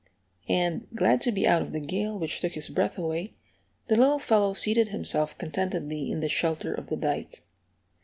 And, glad to be out of the gale, which took his breath away, the little fellow seated himself contentedly in the shelter of the dike.